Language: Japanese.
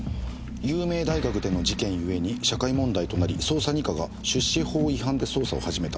「有名大学での事件ゆえに社会問題となり捜査二課が出資法違反で捜査を始めた」